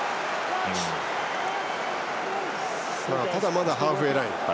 まだハーフウェーライン。